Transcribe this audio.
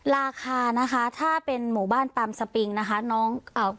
ราคานะคะถ้าเป็นหมู่บ้านพรรมสปิงนะคะ